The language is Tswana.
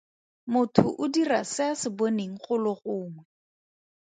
Motho o dira se a se boneng golo gongwe.